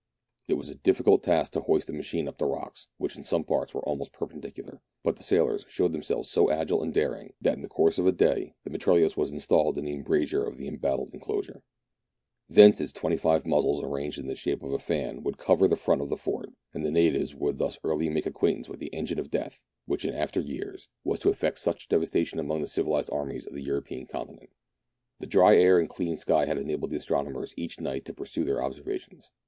It was a difficult task to hoist the machine up the rocks, which in some parts were almost perpendicular; but the sailors showed themselves so agile and daring, that in the course of the day the mitrailleuse was installed in the embrasure of the embattled enclosure. Thence, its twenty five muzzles, arranged in the shape of a fan, would cover the front of the fort, and the natives would thus early make acquaint ance with the engine of death which in after years was to 194 MERIDIANA; THE ADVENTURES OF effect such devastation amongst the civilized armies of the European continent. The dry air and clear sky had enabled the astronomers each night to pursue their observations.